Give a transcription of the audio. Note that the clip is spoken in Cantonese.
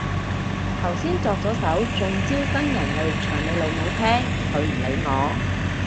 頭先作咗首中招新人類唱俾老母聽，佢唔理我